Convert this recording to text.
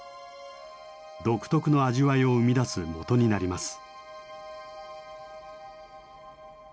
独特の味わいを生み出すもとになります。